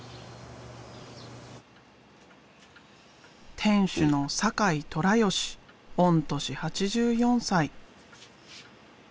店主の酒井寅義御年８４歳。